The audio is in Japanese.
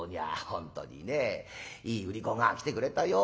「本当にねいい売り子が来てくれたよ。